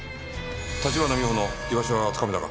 立花美穂の居場所はつかめたか？